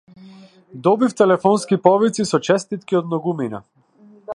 Добив телефонски повици со честитки од многумина.